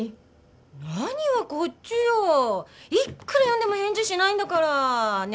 何はこっちよいっくら呼んでも返事しないんだからね